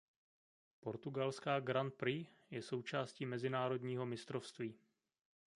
Portugalská Grand Prix je součástí mezinárodního mistrovství.